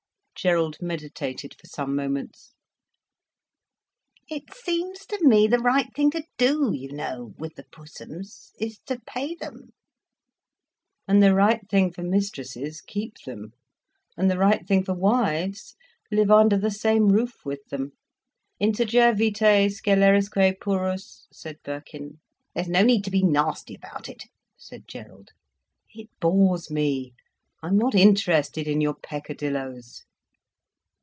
Gerald meditated for some moments. "It seems to me the right thing to do, you know, with the Pussums, is to pay them." "And the right thing for mistresses: keep them. And the right thing for wives: live under the same roof with them. Integer vitae scelerisque purus—" said Birkin. "There's no need to be nasty about it," said Gerald. "It bores me. I'm not interested in your peccadilloes."